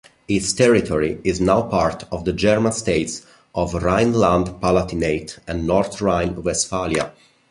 Its territory is now part of the German states of Rhineland-Palatinate and North Rhine-Westphalia.